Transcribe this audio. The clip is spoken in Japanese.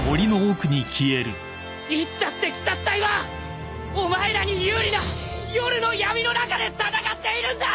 いつだって鬼殺隊はお前らに有利な夜の闇の中で戦っているんだ！